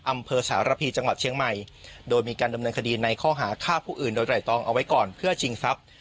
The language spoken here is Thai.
อำเภอสารพีจังหวัดเชียงใหม่โดยมีการดำเนินคดีในข้อหาฆ่าผู้อื่นโดยไตรตองเอาไว้ก่อนเพื่อชิงทรัพย์